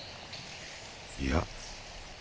いや。